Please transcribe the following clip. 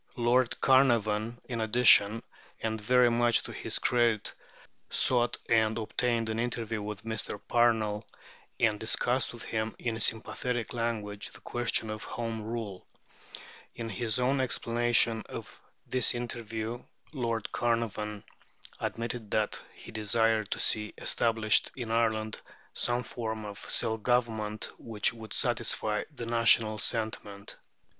Lord Carnarvon, in addition, and very much to his credit, sought and obtained an interview with Mr. Parnell, and discussed with him, in sympathetic language, the question of Home Rule. In his own explanation of this interview Lord Carnarvon admitted that he desired to see established in Ireland some form of self government which would satisfy "the national sentiment."